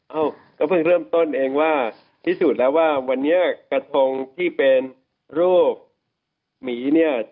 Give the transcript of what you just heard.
เอ้าก็เพิ่งเริ่มต้นเองว่าพิสูจน์แล้วว่าวันนี้กระทงที่เป็นรูปหมีเนี่ย